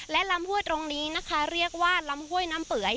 และลำห้วยตรงนี้นะคะเรียกว่าลำห้วยน้ำเปื่อย